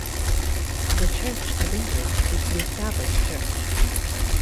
The Church of England is the established church.